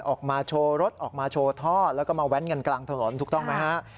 ออกมาโชว์รถออกมาโชว์ท่อแล้วก็มาแว้นกันกลางถนนถูกต้องไหมฮะ